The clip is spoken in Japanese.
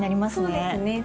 そうですね。